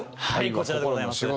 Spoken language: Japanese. こちらでございます。